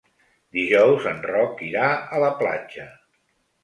Dijous en Roc irà a la platja.